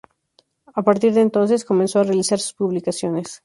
A partir de entonces, comenzó a realizar sus publicaciones.